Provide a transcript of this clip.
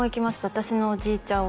私のおじいちゃん